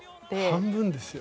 半分ですよ。